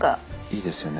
いいですよね。